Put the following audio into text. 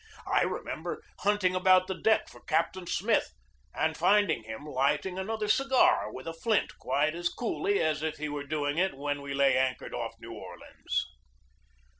I remember hunting about the deck for Captain Smith and finding him lighting another cigar with a flint quite as coolly as if he were doing it when we lay anchored off New Orleans.